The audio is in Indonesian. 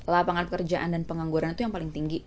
lapangan pekerjaan dan pengangguran itu yang paling tinggi